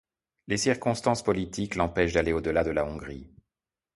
Les circonstances politiques l’empêchent d’aller au-delà de la Hongrie.